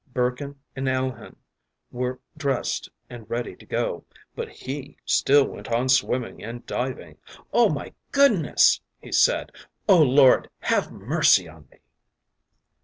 Burkin and Alehin were dressed and ready to go, but he still went on swimming and diving. “Oh, my goodness!...” he said. “Oh, Lord, have mercy on me!...